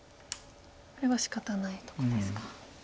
これはしかたないとこですか。